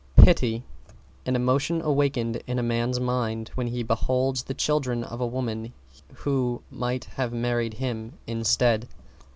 =PITY= An emotion awakened in a man's mind when he beholds the children of a woman who might have married him instead.